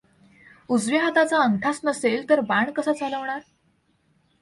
उजव्या हाताचा अंगठा च नसेल तर बाण कसा चालवणार?